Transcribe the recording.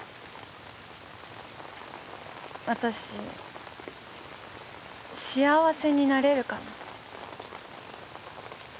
私幸せになれるかな？